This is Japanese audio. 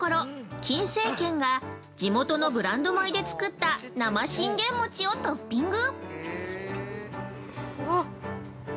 金精軒が地元のブランド米で作った生信玄餅をトッピング！